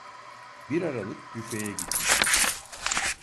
Bir aralık büfeye gitmiştim.